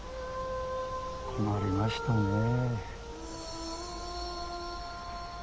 困りましたね。